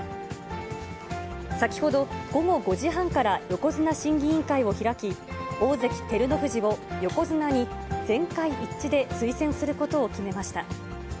先ほど午後５時半から横綱審議委員会を開き、大関・照ノ富士を横綱に全会一致で推薦することを決めました。